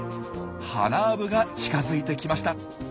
ハナアブが近づいてきました。